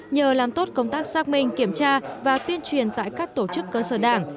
nhờ làm tốt công tác xác minh kiểm tra và tuyên truyền tại các tổ chức cơ sở đảng